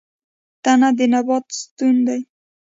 تنه د نبات ستون دی